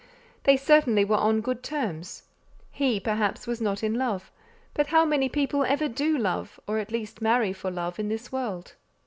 They certainly were on good terms. He perhaps was not in love; but how many people ever do love, or at least marry for love, in this world.